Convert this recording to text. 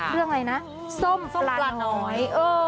เรื่องอะไรนะส้มส้มปลาน้อย